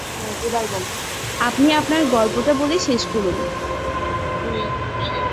আপনি আপনার গল্পটা বলে শেষ করুন।